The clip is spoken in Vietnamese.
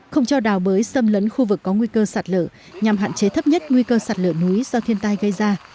không cho đào bới xâm lấn khu vực có nguy cơ sạt lở nhằm hạn chế thấp nhất nguy cơ sạt lửa núi do thiên tai gây ra